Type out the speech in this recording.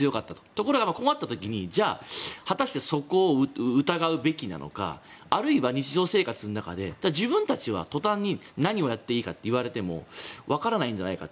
ところが、こうなった時に果たしてそこを疑うべきなのかあるいは、日常生活の中で自分たちは、途端に何をやっていいかといわれても分からないんじゃないか。